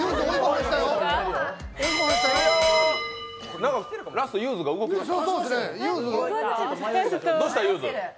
なんかラストゆーづが動きましたね？